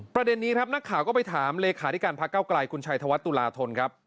ประเด็นนี้ครับนักข่าวก็ไปถามเลขาธิการพักเก้าไกลคุณชัยธวัฒนตุลาธนครับ